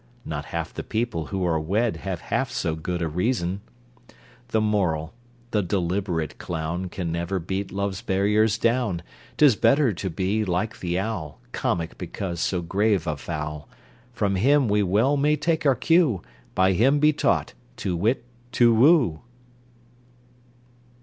(Not half the people who are wed Have half so good a reason!) The Moral: The deliberate clown Can never beat love's barriers down: 'Tis better to be like the owl, Comic because so grave a fowl. From him we well may take our cue By him be taught, to wit, to woo!